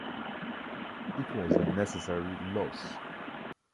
It was a necessary loss.